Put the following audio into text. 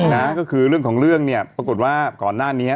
นะก็คือเรื่องของเรื่องเนี่ยปรากฏว่าก่อนหน้านี้